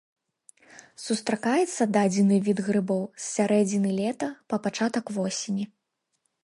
Сустракаецца дадзены від грыбоў з сярэдзіны лета па пачатак восені.